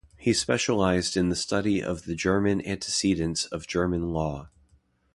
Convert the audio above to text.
He specialised in the study of the German antecedents of German law.